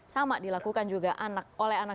sama dilakukan juga anak oleh anak